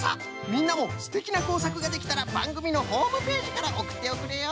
みんなもすてきなこうさくができたらばんぐみのホームページからおくっておくれよ。